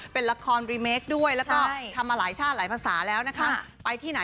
เป็นละครได้ดันด้วยแล้วก็์ทำมาหลายชาติหลายภาษาแล้วนะคะ